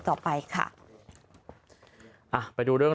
ต่อไปค่ะอ่ะไปดูเรื่อง